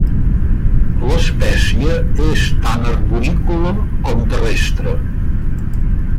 L'espècie és tant arborícola com terrestre.